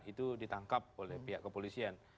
itu ditangkap oleh pihak kepolisian